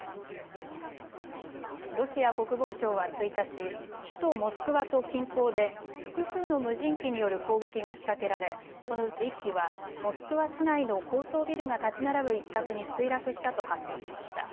ロシア国防省は１日、首都モスクワと近郊で複数の無人機による攻撃が仕掛けられこのうち１機はモスクワ市内の高層ビルが建ち並ぶ一角に墜落したと発表しました。